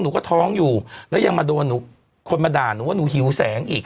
หนูก็ท้องอยู่แล้วยังมาโดนหนูคนมาด่าหนูว่าหนูหิวแสงอีก